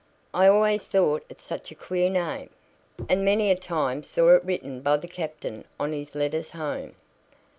I always thought it such a queer name, and many a time saw it written by the captain on his letters home."